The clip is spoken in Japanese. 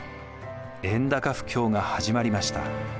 円高不況が始まりました。